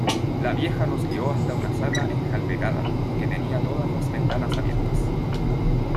la vieja nos guió hasta una sala enjalbegada, que tenía todas las ventanas abiertas.